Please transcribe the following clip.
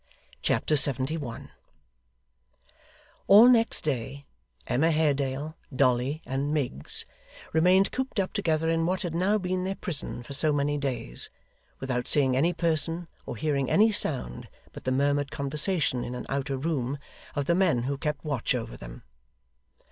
Chapter 71 All next day, Emma Haredale, Dolly, and Miggs, remained cooped up together in what had now been their prison for so many days, without seeing any person, or hearing any sound but the murmured conversation, in an outer room, of the men who kept watch over them.